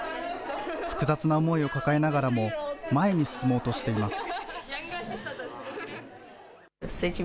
複雑な思いを抱えながらも、前に進もうとしています。